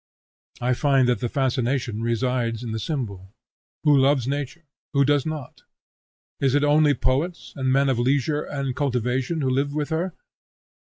I find that the fascination resides in the symbol. Who loves nature? Who does not? Is it only poets, and men of leisure and cultivation, who live with her?